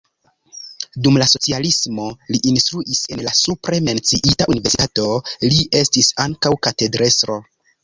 Dum la socialismo li instruis en la supre menciita universitato, li estis ankaŭ katedrestro.